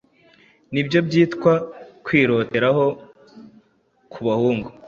Nibyo byitwa kwiroteraho kubahungu